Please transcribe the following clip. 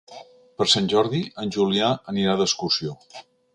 Per Sant Jordi en Julià anirà d'excursió.